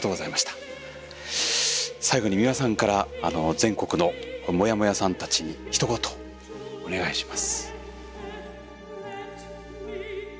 最後に美輪さんから全国のモヤモヤさんたちにひと言お願いします。